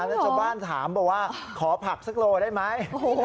แล้วชาวบ้านถามบอกว่าขอผักสักโลได้ไหม